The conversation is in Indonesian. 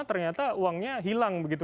ternyata uangnya hilang begitu